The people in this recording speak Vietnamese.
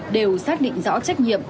đều xác định rõ trách nhiệm